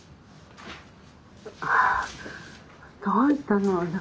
あぁどうしたの。